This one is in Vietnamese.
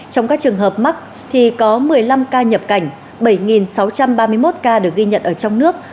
trong các trường hợp mắc thì có một mươi năm ca nhập cảnh bảy sáu trăm ba mươi một ca được ghi nhận ở trong nước